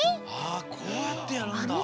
あこうやってやるんだ。